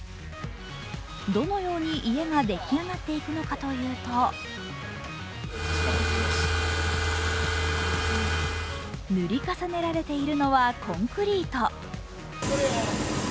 どのように家が出来上がっていくのかというと塗り重ねられているのはコンクリート。